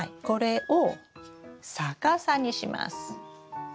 これを逆さにします。